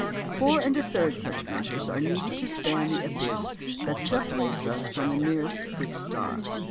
Four and a third such measures are needed to span the abyss that separates us from the nearest fixed star.